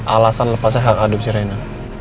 alasan lepasnya hak adem si reina